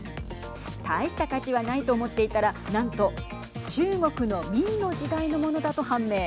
大した価値はないと思っていたら何と、中国の明の時代のものだと判明。